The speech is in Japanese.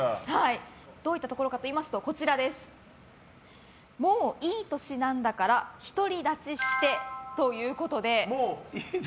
どういったところかというともういい年なんだから独り立ちしてということで。